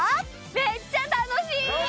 めっちゃ楽しい！